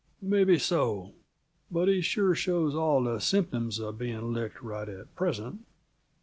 "May be so but he sure shows all the symptoms of being licked right at present."